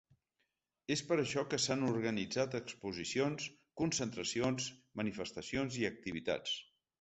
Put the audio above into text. És per això que s’han organitzat exposicions, concentracions, manifestacions i activitats.